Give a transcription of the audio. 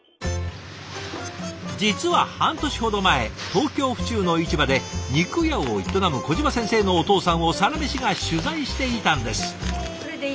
実は半年ほど前東京・府中の市場で肉屋を営む小島先生のお父さんを「サラメシ」が取材していたんです。